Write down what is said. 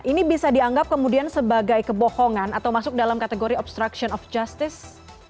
ini bisa dianggap kemudian sebagai kebohongan atau masuk dalam kategori obstruction of justice